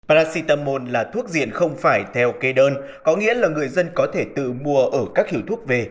paracetamol là thuốc diệt không phải theo kê đơn có nghĩa là người dân có thể tự mua ở các hiệu thuốc về